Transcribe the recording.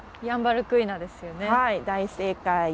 ヤンバルクイナです。